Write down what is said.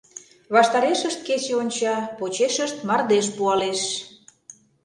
Ваштарешышт кече онча, почешышт мардеж пуалеш.